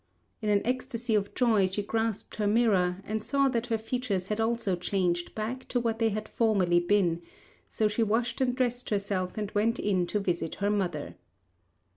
In an ecstasy of joy, she grasped her mirror, and saw that her features had also changed back to what they had formerly been; so she washed and dressed herself and went in to visit her mother.